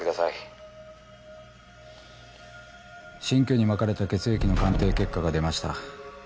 新居にまかれた血液の鑑定結果が出ました。